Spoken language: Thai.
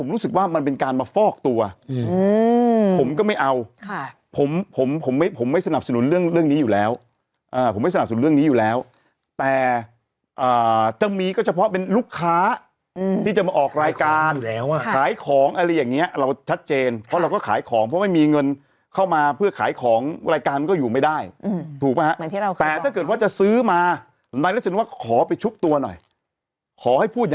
อยู่แล้วอ่าผมไม่สนับสนเรื่องนี้อยู่แล้วแต่อ่าจะมีก็เฉพาะเป็นลูกค้าอืมที่จะมาออกรายการอยู่แล้วอ่ะขายของอะไรอย่างเงี้ยเราชัดเจนเพราะเราก็ขายของเพราะไม่มีเงินเข้ามาเพื่อขายของรายการมันก็อยู่ไม่ได้อืมถูกปะฮะเหมือนที่เราแต่ถ้าเกิดว่าจะซื้อมาในลักษณะว่าขอไปชุบตัวหน่อยขอให้พู